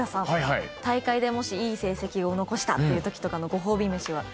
大会でもしいい成績を残したっていうときのご褒美飯は。